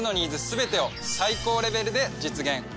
すべてを最高レベルで実現。